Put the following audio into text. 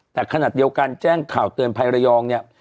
แต่ขณะเดียวกันแจ้งข่าวเตือนภัยระยองเนี่ย